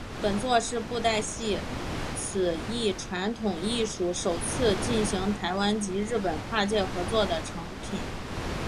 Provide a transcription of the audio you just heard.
本作是布袋戏此一传统艺术首次进行台湾及日本跨界合作的作品。